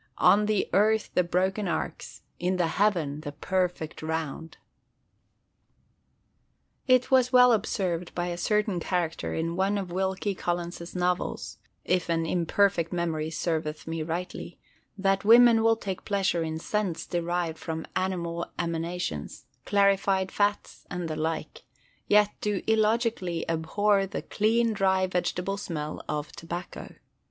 "On the earth the broken arcs: in the heaven the perfect round!" It was well observed by a certain character in one of Wilkie Collins's novels (if an imperfect memory serveth me rightly) that women will take pleasure in scents derived from animal emanations, clarified fats, and the like; yet do illogically abhor the "clean, dry, vegetable smell" of tobacco.